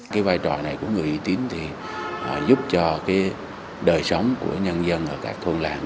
cái vai trò này của người uy tín thì giúp cho cái đời sống của nhân dân ở các thôn làng